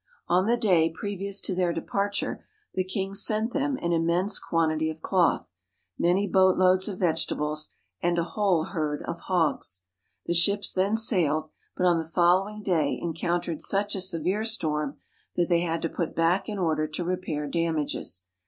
On the day previous to their departure the king sent them an immense quantity of cloth, many boat loads of vegetables, and a whole herd of hogs. The ships then sailed, but on the following day encountered such a severe storm that they had to put back in order to repair damages.